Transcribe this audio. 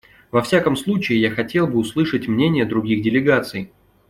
Во всяком случае, я хотел бы услышать мнения других делегаций.